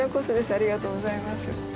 ありがとうございます。